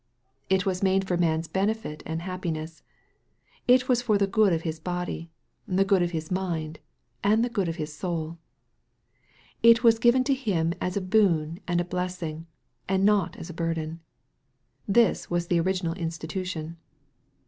It was made for man's benefit and happiness. It was for the good of his body, the good of his mind, and the good of his soul. It was given to him as a boon and a blessing, and not as a burden. This was the original institution.